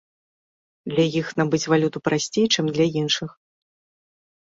Для іх набыць валюту прасцей, чым для іншых.